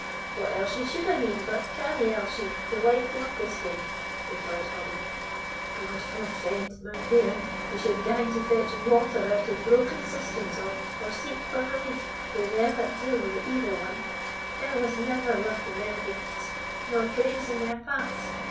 "What Elshie should I mean, but Canny Elshie, the Wight o' Mucklestane," replied Hobbie. "God forfend, my bairn, you should gang to fetch water out o' broken cisterns, or seek for relief frae them that deal wi' the Evil One! There was never luck in their gifts, nor grace in their paths.